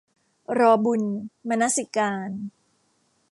รอบุญ - มนสิการ